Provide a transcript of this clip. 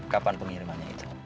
kapan pengirimannya itu